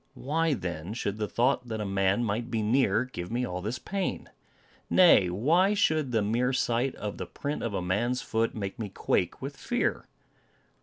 Why, then, should the thought that a man might be near give me all this pain? Nay, why should the mere sight of the print of a man's foot, make me quake with fear?